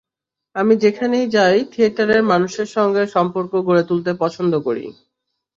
আমি যেখানেই যাই থিয়েটারের মানুষের সঙ্গে সম্পর্ক গড়ে তুলতে পছন্দ করি।